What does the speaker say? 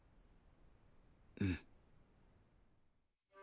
うん。